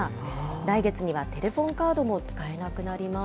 来月にはテレホンカードも使えなくなります。